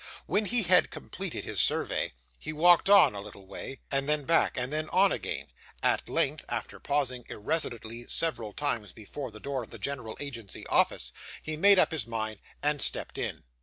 When he had completed his survey he walked on a little way, and then back, and then on again; at length, after pausing irresolutely several times before the door of the General Agency Office, he made up his mind, and stepped in.